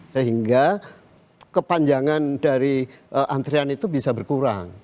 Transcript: sehingga kepanjangan dari antrian itu bisa berkurang